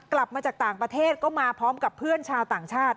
กลับมาจากต่างประเทศก็มาพร้อมกับเพื่อนชาวต่างชาติ